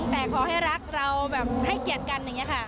แต่ขอให้รักเราแบบให้เกียรติกันอย่างนี้ค่ะ